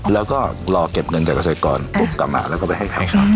แล้วรอเก็บเงินจากกระเศกรปุ๊บกลับมาไปให้เค้า